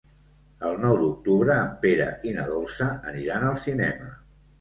El nou d'octubre en Pere i na Dolça aniran al cinema.